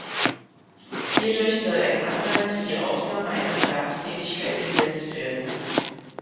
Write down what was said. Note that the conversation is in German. Hierdurch soll ein Anreiz für die Aufnahme einer Erwerbstätigkeit gesetzt werden.